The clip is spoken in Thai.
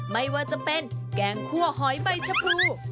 ไม่ว่าจะเป็นแกงคั่วหอยใบชะพู